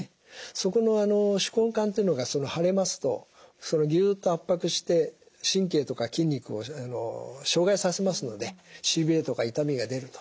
そこの手根管というのが腫れますとぎゅっと圧迫して神経とか筋肉を障害させますのでしびれとか痛みが出ると。